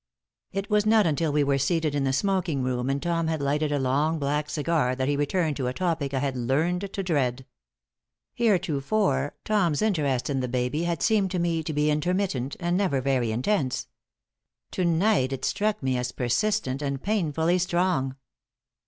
It was not until we were seated in the smoking room and Tom had lighted a long black cigar that he returned to a topic I had learned to dread. Heretofore, Tom's interest in the baby had seemed to me to be intermittent and never very intense. To night is struck me as persistent and painfully strong.